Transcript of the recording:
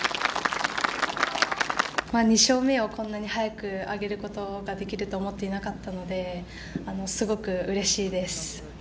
２勝目をこんなに早く挙げることができると思っていなかったのですごくうれしいです。